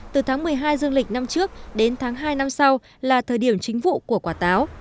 từ tháng một mươi hai dương lịch năm trước đến tháng hai năm sau là thời điểm chính vụ của quả táo